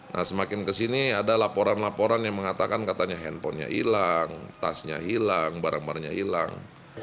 nah semakin kesini ada laporan laporan yang mengatakan katanya handphonenya hilang tasnya hilang barang barangnya hilang